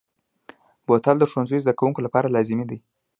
بوتل د ښوونځي زده کوونکو لپاره لازمي دی.